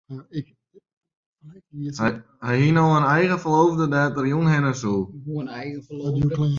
Hy hie no in eigen ferloofde dêr't er jûn hinne soe.